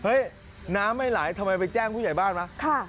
น้ำไม่ไหลทำไมไปแจ้งผู้ใหญ่บ้านวะ